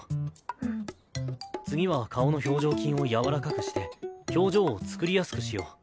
次は顔の表情筋を柔らかくして表情を作りやすくしよう。